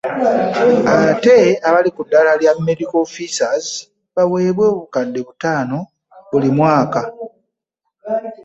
Ate abali ku ddaala lya ‘Medical Officers' baweebwe obukadde butaano buli mwaka.